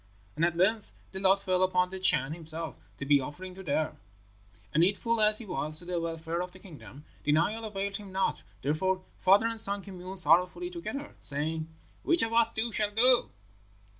And at length the lot fell upon the Chan himself to be an offering to them, and needful as he was to the welfare of the kingdom, denial availed him not; therefore father and son communed sorrowfully together, saying, 'Which of us two shall go?'